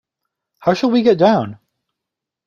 How shall we get down?